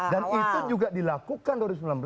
dan itu juga dilakukan dua ribu sembilan belas